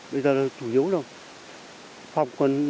bây giờ là chủ yếu đâu